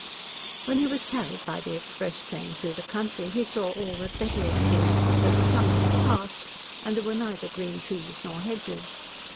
When he was carried by the express train through the country, he saw all that Betty had seen, though the summer had passed, and there were neither green trees nor hedges.